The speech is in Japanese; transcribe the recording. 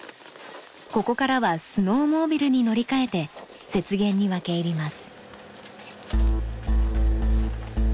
ここからはスノーモービルに乗り換えて雪原に分け入ります。